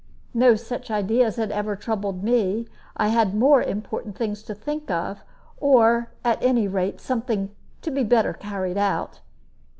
No such ideas had ever troubled me; I had more important things to think of, or, at any rate, something to be better carried out.